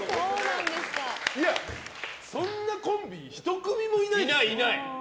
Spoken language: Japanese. そんなコンビ１組もいないですよ。